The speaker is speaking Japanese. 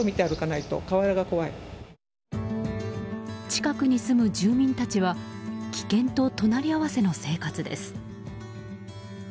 近くに住む住民たちは危険と隣り合わせの生活です。